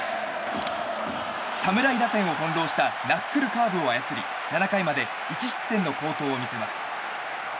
侍打線を翻弄したナックルカーブを操り７回まで１失点の好投を見せます。